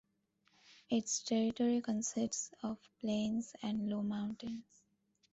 Its territory consists of plains and low mountains.